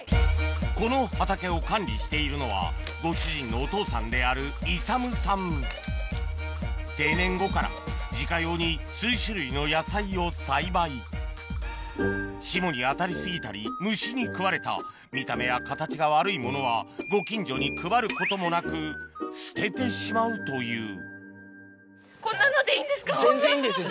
この畑を管理しているのはご主人のお父さんである定年後から自家用に霜に当たり過ぎたり虫に食われた見た目や形が悪いものはご近所に配ることもなく捨ててしまうという全然いいんですよ